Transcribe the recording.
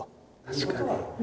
確かに。